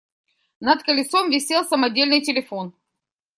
Над колесом висел самодельный телефон.